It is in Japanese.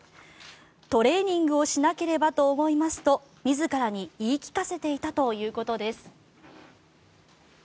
トレーニングをしなければと思いますと自らに言い聞かせていたということです。